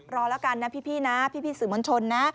รอแล้วกันนะพี่นะพี่สื่อมวลชนนะ